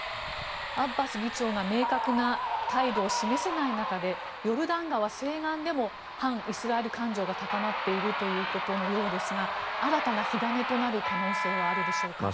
アッバス議長が明確な態度を示せない中でヨルダン川西岸でも反イスラエル感情が高まっているようですが新たな火種となる可能性はあるでしょうか。